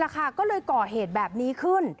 ก็เลยก่อเหตุแบบนี้ขึ้น